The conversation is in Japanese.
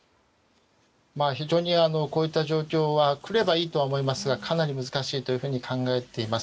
非常にこういった状況がくればいいと思いますがかなり難しいと考えています。